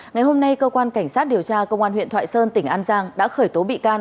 ngày hôm nay cơ quan cảnh sát điều tra công an huyện thoại sơn tỉnh an giang đã khởi tố bị can